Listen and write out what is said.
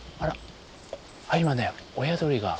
あっ今ね親鳥が。